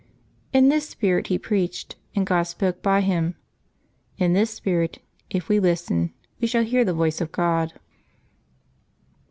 In this spirit he preached, and God spoke by him ; in this spirit, if we listen, we shall hear the voice of God.